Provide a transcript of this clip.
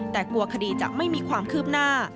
แต่กลัวคดีจะไม่มีความคืบหน้า